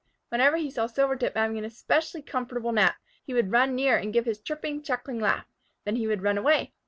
Whenever he saw Silvertip having an especially comfortable nap, he would run near and give his chirping, chuckling laugh. Then he would run away.